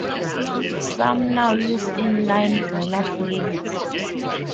Some now use in-line roller-blades.